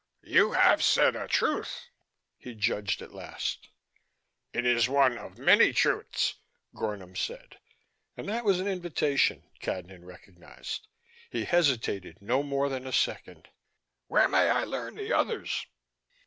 "You have said a truth," he judged at last. "It is one of many truths," Gornom said. And that was an invitation, Cadnan recognized. He hesitated no more than a second. "Where may I learn the others?"